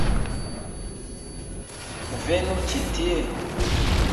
Venu ĉi tie